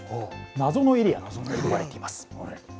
謎のエリアと呼ばれています。